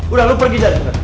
udah lu pergi jalan